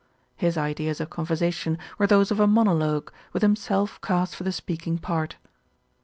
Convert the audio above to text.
His ideas of conversation were those of a monologue, with himself cast for the speaking part.